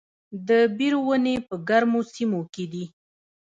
د بیر ونې په ګرمو سیمو کې دي؟